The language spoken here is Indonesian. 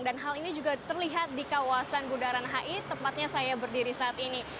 dan hal ini juga terlihat di kawasan bundaran hi tempatnya saya berdiri saat ini